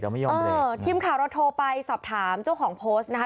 ไม่ยอมเลยเออทีมข่าวเราโทรไปสอบถามเจ้าของโพสต์นะคะ